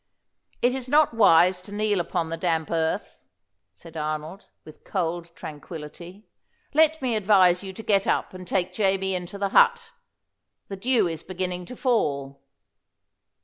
"It is not wise to kneel on the damp earth," said Arnold, with cold tranquillity. "Let me advise you to get up and take Jamie into the hut. The dew is beginning to fall."